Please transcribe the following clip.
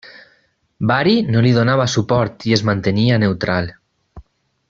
Bari no li donava suport i es mantenia neutral.